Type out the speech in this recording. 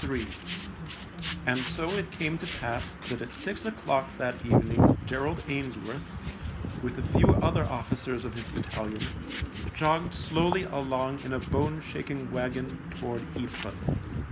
Ill And so it came to pass that at six o'clock that evening Gerald Ainsworth, with a few other officers of his battalion, jogged slowly along in a bone shaking wagon toward Ypres.